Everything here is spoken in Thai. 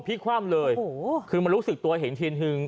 พลิกความเลยคือมันรู้สึกตัวเห็นทิน